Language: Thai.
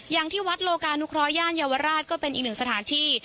อย่างที่วัดโลกานุเคราะหย่านเยาวราชก็เป็นอีกหนึ่งสถานที่